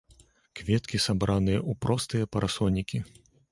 Кветкі сабраныя ў простыя парасонікі.